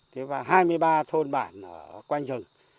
thế và hai mươi ba thôn bản ở quanh rừng